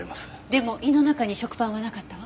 でも胃の中に食パンはなかったわ。